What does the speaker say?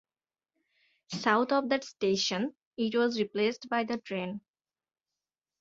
South of that station, it was replaced by the train.